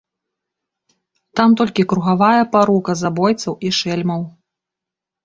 Там толькі кругавая парука забойцаў і шэльмаў.